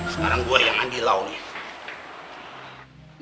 sekarang gua yang mandi lau nih